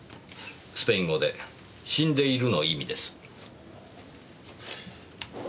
スペイン語で「死んでいる」の意味です。